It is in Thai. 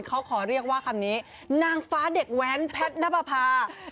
เขาขอเรียกว่าคำนี้นางฟ้าเด็กแว้นแพทนับประพา